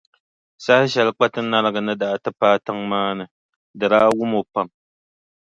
Saha shɛli Kpatinariŋga ni daa ti paai tiŋa maa ni, di daa wum o pam.